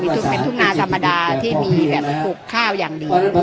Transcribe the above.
ทุกงานธรรมดาที่มีแบบปลูกข้าวอย่างดี